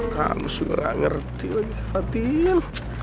kamu sungguh gak ngerti lagi fatin